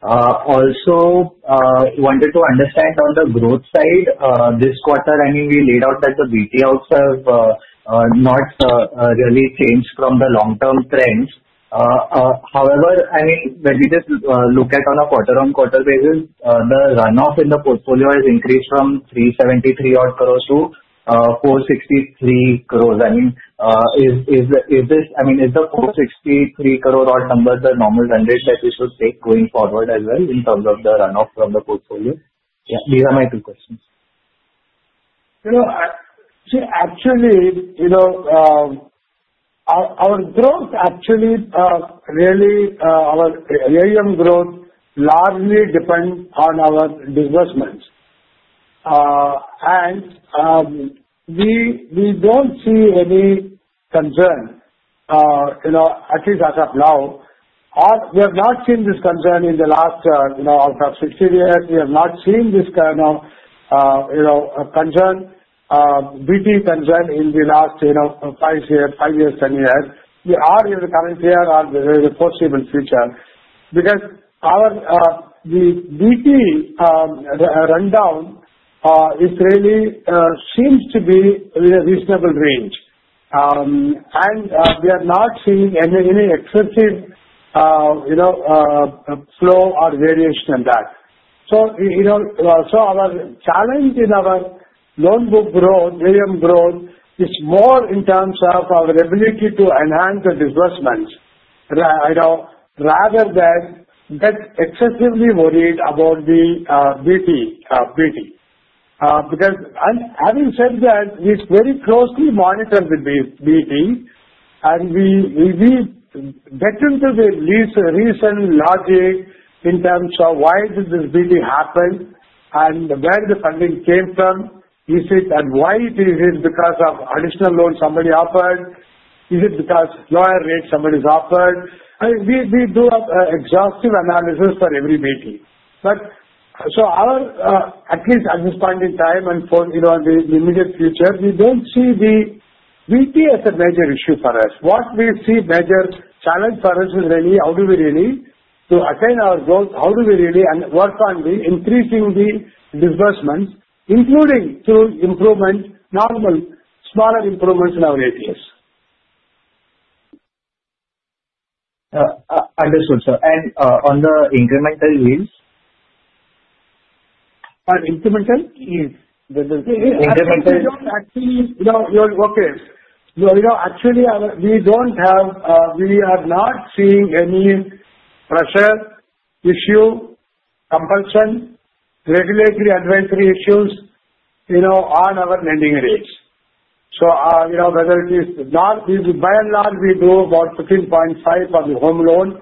Also, wanted to understand on the growth side, this quarter, I mean, we laid out that the BT outs have not really changed from the long-term trends. However, I mean, when we just look at on a quarter-on-quarter basis, the runoff in the portfolio has increased from INR 373 crore to INR 463 crore. I mean, is this, I mean, is the INR 463 crore number the normal rendering that we should take going forward as well in terms of the runoff from the portfolio? Yeah, these are my two questions. See, actually, our growth really, our year-over-year growth largely depends on our disbursements. We do not see any concern, at least as of now, or we have not seen this concern in the last 16 years. We have not seen this kind of concern, BT concern, in the last five years, 10 years. We are in the current year or the foreseeable future because the BT rundown really seems to be within a reasonable range. We are not seeing any excessive flow or variation in that. Our challenge in our loan book growth, AUM growth, is more in terms of our ability to enhance the disbursements rather than get excessively worried about the BT because, having said that, we very closely monitor the BT, and we get into the reason and logic in terms of why did this BT happen and where the funding came from. Is it and why is it because of additional loan somebody offered? Is it because lower rate somebody's offered? We do an exhaustive analysis for every BT. At least at this point in time and for the immediate future, we do not see the BT as a major issue for us. What we see as a major challenge for us is really how do we really, to attain our goals, how do we really work on increasing the disbursements, including through improvement, normal smaller improvements in our ATS. Understood, sir. On the incremental yields? Incremental yields? Incremental. We do not actually, okay. Actually, we do not have, we are not seeing any pressure issue, compulsion, regulatory adversary issues on our lending rates. Whether it is by and large, we do about 15.5% for the home loan.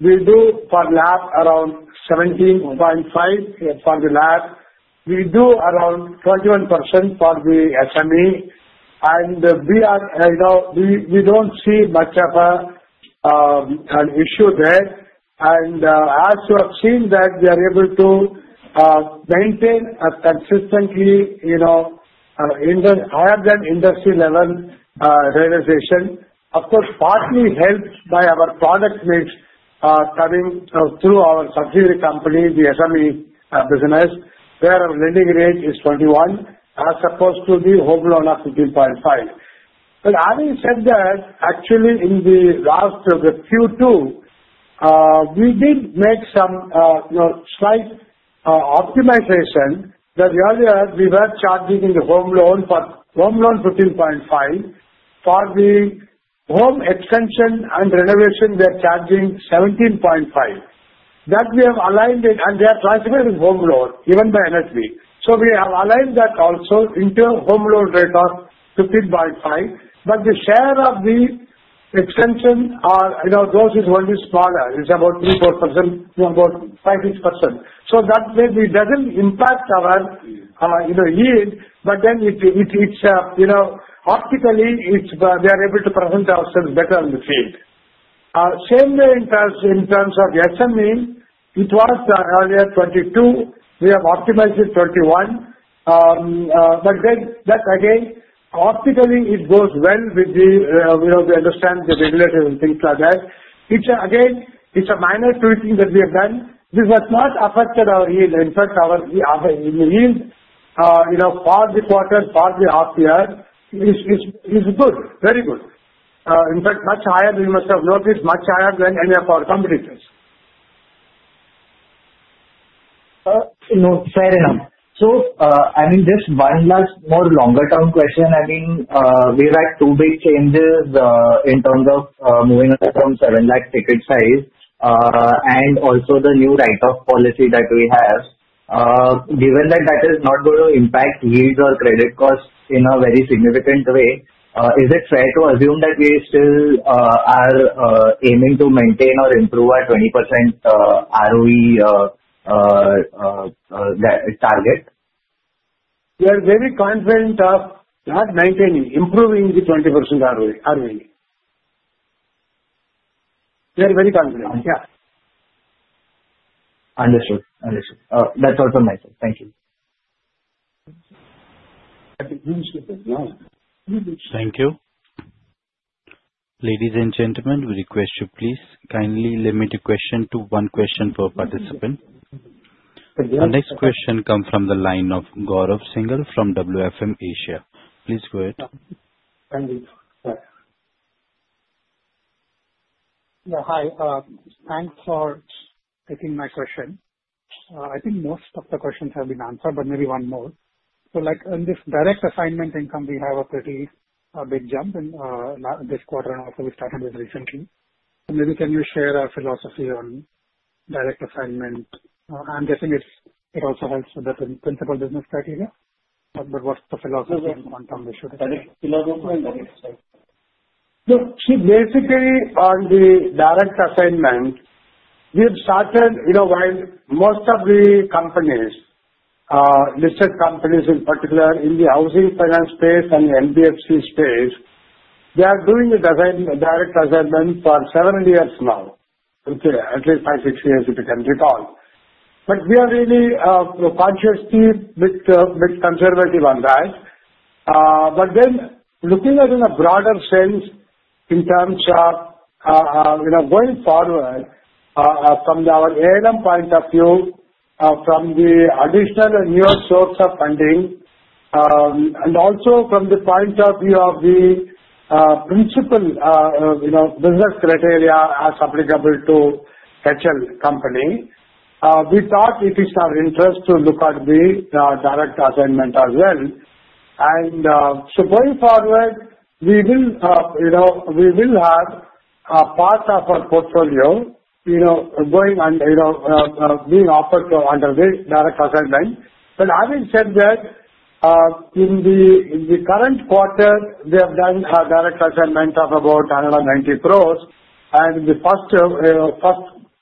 We do for lab around 17.5% for the lab. We do around 21% for the SME. We do not see much of an issue there. As you have seen, we are able to maintain a consistently higher than industry-level realization, of course, partly helped by our product mix coming through our subsidiary companies, the SME business, where our lending rate is 21% as opposed to the home loan of 15.5%. Having said that, actually, in the last of the Q2, we did make some slight optimization that earlier we were charging in the home loan for home loan 15.5%. For the home extension and renovation, we are charging 17.5%. That we have aligned it, and we are transferring home loan given by NSB. We have aligned that also into a home loan rate of 15.5%. The share of the extension or those is only smaller. It is about 3%-4%, about 5%-6%. That maybe does not impact our yield, but then optically, we are able to present ourselves better on the field. Same way in terms of the SME, it was earlier 22%. We have optimized it to 21%. Again, optically, it goes well with the we understand the regulatory and things like that. Again, it is a minor tweaking that we have done. This has not affected our yield. In fact, our yield for the quarter, for the half-year, is good, very good. In fact, much higher than you must have noticed, much higher than any of our competitors. No, fair enough. I mean, just one last more longer-term question. I mean, we've had two big changes in terms of moving from 7 lakh ticket size and also the new write-off policy that we have. Given that that is not going to impact yields or credit costs in a very significant way, is it fair to assume that we still are aiming to maintain or improve our 20% ROE target? We are very confident of not maintaining, improving the 20% ROE. We are very confident. Yeah. Understood. Understood. That's all from my side. Thank you. Thank you. Ladies and gentlemen, we request you please kindly limit your question to one question per participant. The next question comes from the line of Gaurav Singhal from WFM Asia. Please go ahead. Thank you. Yeah, hi. Thanks for taking my question. I think most of the questions have been answered, but maybe one more. In this direct assignment income, we have a pretty big jump in this quarter and also we started with recently. Maybe can you share our philosophy on direct assignment? I'm guessing it also helps with the principal business criteria. What is the philosophy on how we should? Philosophy on direct assignment. Basically, on the direct assignment, we have started while most of the companies, listed companies in particular in the housing finance space and the NBFC space, they are doing direct assignment for several years now. At least five, six years if you can recall. We are really consciously a bit conservative on that. Looking at it in a broader sense in terms of going forward from our AUM point of view, from the additional and newer source of funding, and also from the point of view of the principal business criteria as applicable to HL company, we thought it is our interest to look at the direct assignment as well. Going forward, we will have part of our portfolio going and being offered under the direct assignment. Having said that, in the current quarter, we have done a direct assignment of about 190 crore. In the first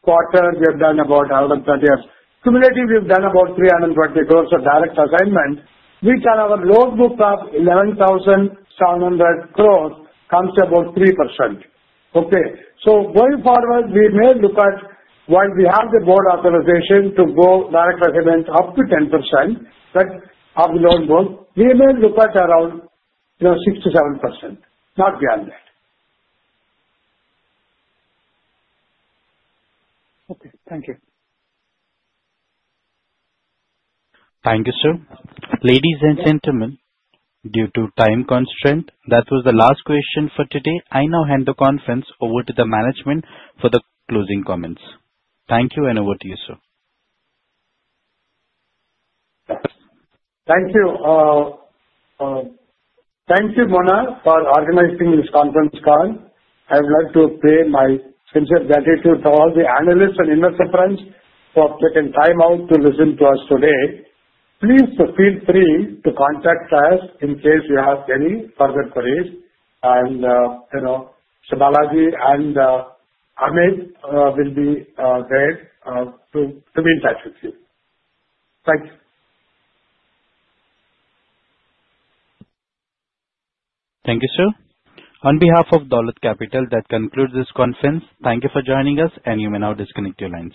quarter, we have done about 130 crore. Cumulatively, we have done about 320 crore of direct assignment, which on our loan book of 11,700 crore comes to about 3%. Going forward, we may look at, while we have the board authorization to go direct assignment up to 10% of the loan book, we may look at around 6%-7%, not beyond that. Okay. Thank you. Thank you, sir. Ladies and gentlemen, due to time constraint, that was the last question for today. I now hand the conference over to the management for the closing comments. Thank you, and over to you, sir. Thank you. Thank you, Mona, for organizing this conference call. I would like to pay my sincere gratitude to all the analysts and investor friends who have taken time out to listen to us today. Please feel free to contact us in case you have any further queries. Subalaji and Amit will be there to be in touch with you. Thank you. Thank you, sir. On behalf of Dolat Capital, that concludes this conference. Thank you for joining us, and you may now disconnect your lines.